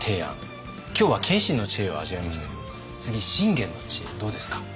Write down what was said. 今日は謙信の知恵を味わいましたけど次信玄の知恵どうですか？